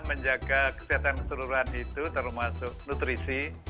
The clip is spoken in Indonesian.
menjaga kesehatan keseluruhan itu termasuk nutrisi